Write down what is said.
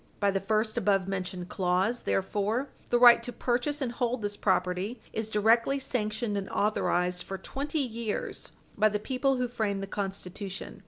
By the first above mentioned clause, therefore, the right to purchase and hold this property is directly sanctioned and authorized for twenty years by the people who framed the Constitution.